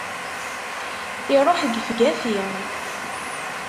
Iruḥ gefgafi!